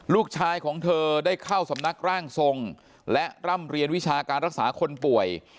ลูกชายของเธอได้เข้าสำนักร่างทรงและร่ำเรียนวิชาการรักษาคนป่วย